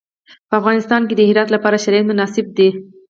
په افغانستان کې د هرات لپاره شرایط مناسب دي.